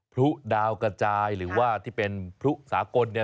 พุดาวกระจายหรือว่าที่เป็นพุสากล